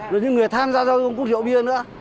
rồi những người tham gia giao thông cũng rượu bia nữa